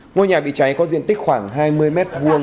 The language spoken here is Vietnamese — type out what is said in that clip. ngôi nhà bị cháy có diện tích khoảng hai mươi m hai